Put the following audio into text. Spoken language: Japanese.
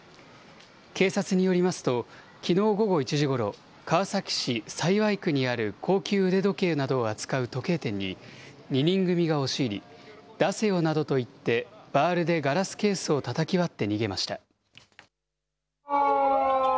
警察によりますと、きのう午後１時ごろ、川崎市幸区にある高級腕時計などを扱う時計店に、２人組が押し入り、出せよなどと言ってバールでガラスケースをたたき割って逃げました。